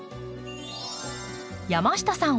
山下さん